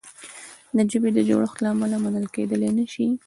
د ژبې د جوړښت له امله منل کیدلای نه شي.